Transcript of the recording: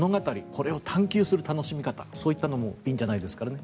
これを探求する楽しみ方そういったのもいいんじゃないんですかね。